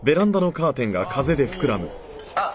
あっ！